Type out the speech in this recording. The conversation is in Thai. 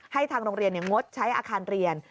ทางโรงเรียนงดใช้อาคารเรียน